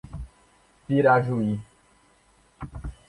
Pirajuí